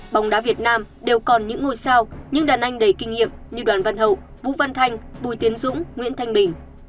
bóng đá việt nam đều còn những ngôi sao những đàn anh đầy kinh nghiệm như đoàn văn hậu vũ văn thanh bùi tiến dũng nguyễn thanh bình